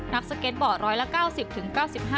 รอยละ๙๐ถึง๙๕